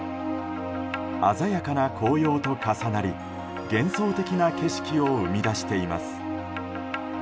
鮮やかな紅葉と重なり幻想的な景色を生み出しています。